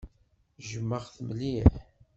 Jjmeɣ-t mliḥ.